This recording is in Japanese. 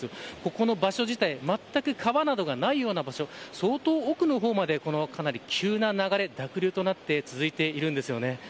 この場所自体まったく川などがないような場所相当奥の方まで、急な流れ濁流となって続いているんです。